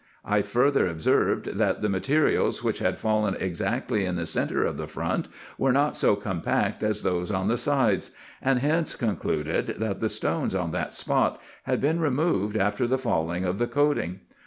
I farther observed, that the materials winch had fallen exactly in the centre of the front were not so compact as those on the sides ; and hence concluded, that the stones on that spot, had been removed after the falling of the coating.